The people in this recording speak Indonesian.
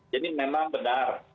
jadi memang benar